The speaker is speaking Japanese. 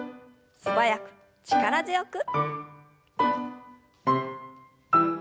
素早く力強く。